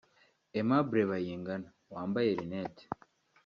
Aimable Bayingana (wambaye lunettes)